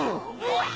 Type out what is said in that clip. わっ！